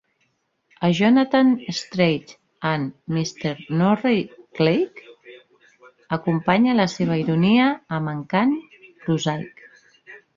A "Jonathan Strange and Mr Norrell", Clarke acompanya la seva ironia amb encant prosaic.